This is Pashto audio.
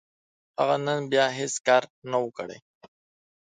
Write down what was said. هغه نن بيا هيڅ کار نه و، کړی.